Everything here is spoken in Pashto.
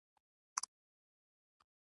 د مایکروسکوپ ارزښت په تېرېدو سره ترلاسه شوی.